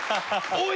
おい！